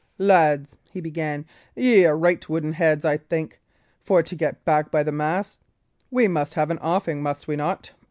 "Lads," he began, "y' are right wooden heads, I think. For to get back, by the mass, we must have an offing, must we not?